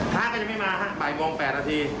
พราคมันยังไม่มาบ่ายมวงแปดนาที